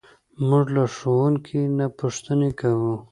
موږ له ښوونکي نه پوښتنې کوو.